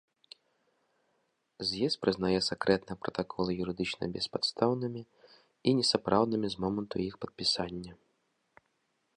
З'езд прызнае сакрэтныя пратаколы юрыдычна беспадстаўнымі і несапраўднымі з моманту іх падпісання.